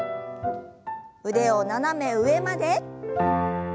腕を斜め上まで。